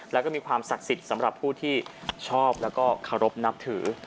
แล้วก็มีความศักดิ์สิทธิ์สำหรับผู้ที่ชอบแล้วก็เคารพนับถือ